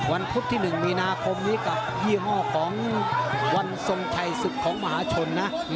พุธที่๑มีนาคมนี้กับยี่ห้อของวันทรงชัยศึกของมหาชนนะ